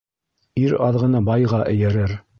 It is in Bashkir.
Ир аҙғыны байға эйәрер.